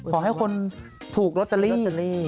ขอให้คนถูกลอตเตอรี่